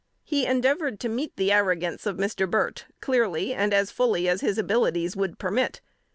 He endeavored to meet the arrogance of Mr. Burt, clearly and as fully as his abilities would permit.